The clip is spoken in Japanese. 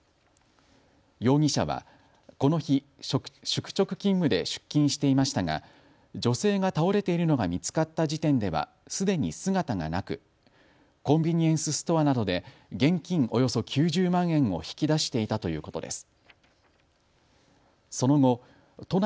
容疑者はこの日、宿直勤務で出勤していましたが女性が倒れているのが見つかった時点ではすでに姿がなく、コンビニエンスストアなどで現金およそ９０万円を引き出していたということです。